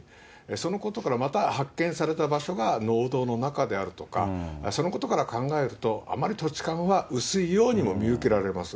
そのことからまた発見された場所が農道の中であるとか、そのことから考えると、あまり土地勘が薄いようにも見受けられます。